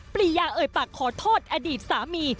ปริยาเอ่ยปากขอโทษอดีตสามี